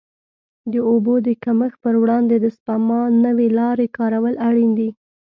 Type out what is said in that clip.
د اوبو د کمښت پر وړاندې د سپما نوې لارې کارول اړین دي.